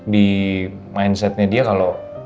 di mindsetnya dia kalau